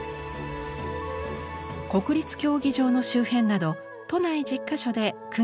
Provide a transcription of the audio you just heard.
国立競技場の周辺など都内１０か所で９月５日まで。